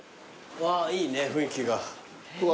わあいいね雰囲気が。